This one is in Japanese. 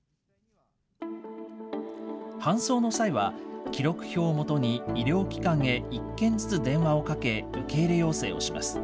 搬送の際は、記録票をもとに医療機関へ一件ずつ電話をかけ受け入れ要請をします。